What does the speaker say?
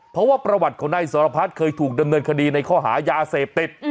เพราะว่าประวัติของนายสรพัฒน์เคยถูกดำเนินคดีในข้อหายาเสพติด